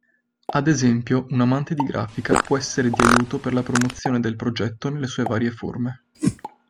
Ad esempio un amante di grafica può essere di aiuto per la promozione del progetto nelle sue varie forme.